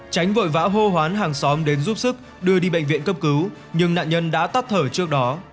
tránh vội vã hô hoán hàng xóm đến giúp sức đưa đi bệnh viện cấp cứu nhưng nạn nhân đã tắt thở trước đó